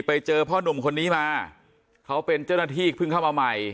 ไปเจอพ่อนุ่มคนนี้มาเขาเป็นเจ้าหน้าที่เพิ่งเข้ามาใหม่